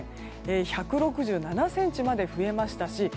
１６７ｃｍまで増えましたし。